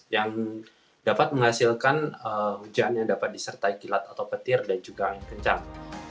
yang dapat menghasilkan hujan yang dapat disertai kilat atau petir dan juga angin kencang